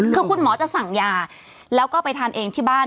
คือคุณหมอจะสั่งยาแล้วก็ไปทานเองที่บ้าน